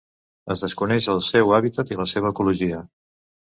Es desconeix el seu hàbitat i la seva ecologia.